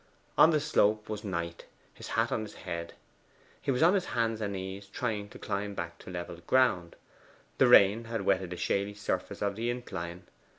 On the slope was Knight, his hat on his head. He was on his hands and knees, trying to climb back to the level ground. The rain had wetted the shaly surface of the incline.